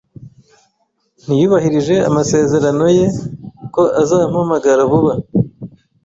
Ntiyubahirije amasezerano ye ko azampamagara vuba.